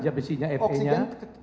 zat besinya oksigennya